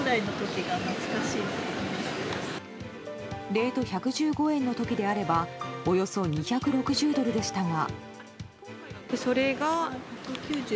レート１１５円の時であればおよそ２６０ドルでしたが。